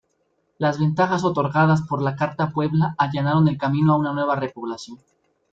Las ventajas otorgadas por la Carta Puebla allanaron el camino a una nueva repoblación.